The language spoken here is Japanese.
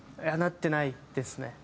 いやなってないですね。